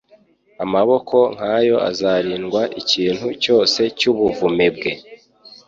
Amaboko nk'ayo azarindwa ikintu cyose cy'ubvmebwe,